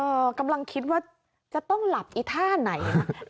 กำลังคิดว่าจะต้องหลับอีท่าไหน